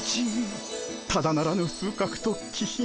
ただならぬ風格と気品。